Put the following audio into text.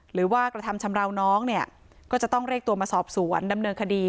หรือว่ากระทำชำราวน้องเนี่ยก็จะต้องเรียกตัวมาสอบสวนดำเนินคดี